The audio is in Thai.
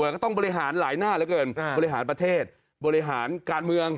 ก็ต้องบริหารหลายหน้าเหลือเกินบริหารประเทศบริหารการเมือง